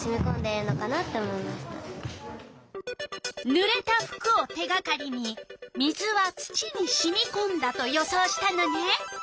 ぬれた服を手がかりに「水は土にしみこんだ」と予想したのね。